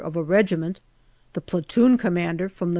of a regiment, the platoon commander from the M.